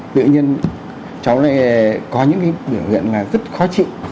tự nhiên cháu có những biểu hiện rất khó chịu